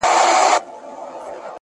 o د زړه، زړه ته لار وي!